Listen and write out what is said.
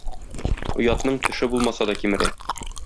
Оятның теше булмаса да кимерә.